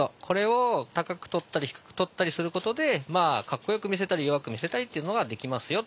これを高く撮ったり低く撮ったりすることでカッコよく見せたり弱く見せたりっていうのができます